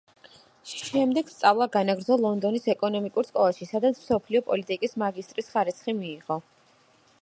შემდეგ სწავლა განაგრძო ლონდონის ეკონომიკურ სკოლაში, სადაც მსოფლიო პოლიტიკის მაგისტრის ხარისხი მიიღო.